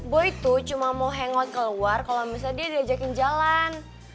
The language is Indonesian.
boy tuh cuma mau hangout ke luar kalo misalnya dia diajakin jalan